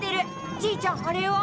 じいちゃんあれは？